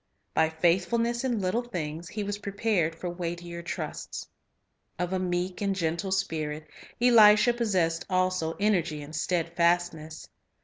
By faithfulness in little things, he was prepared for weightier trusts. Of a meek and gentle spirit, Elisha possessed also energy and steadfastness.